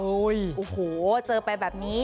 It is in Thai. โอ้โหเจอไปแบบนี้